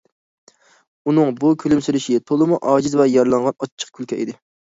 ئۇنىڭ بۇ كۈلۈمسىرىشى تولىمۇ ئاجىز ۋە يارىلانغان، ئاچچىق كۈلكە ئىدى.